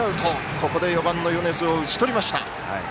ここで４番の米津を打ち取りました。